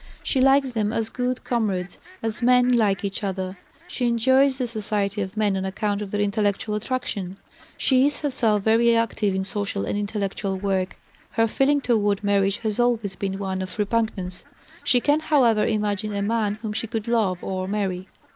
She likes them as good comrades, as men like each other. She enjoys the society of men on account of their intellectual attraction. She is herself very active in social and intellectual work. Her feeling toward marriage has always been one of repugnance. She can, however, imagine a man whom she could love or marry.